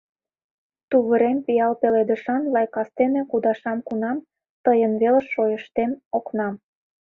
Тувырем — пиал пеледышан Лай кастене кудашам кунам, Тыйын велыш шойыштем окнам.